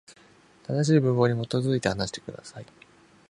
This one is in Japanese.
正しい文法に基づいて、話してください。